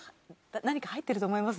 何か入ってると思います？